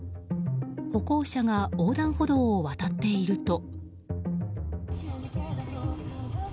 歩行者が横断歩道を渡っていると。